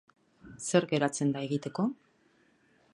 Zer geratzen da egiteko?